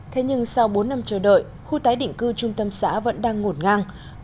thế nhưng sau bốn năm chờ đợi khu tái định cư trung tâm xã vẫn đang ngổn ngang